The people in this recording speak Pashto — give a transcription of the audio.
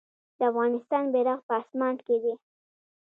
د افغانستان بیرغ په اسمان کې دی